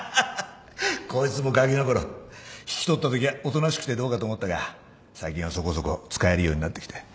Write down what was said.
こいつもがきのころ引き取ったときはおとなしくてどうかと思ったが最近はそこそこ使えるようになってきて。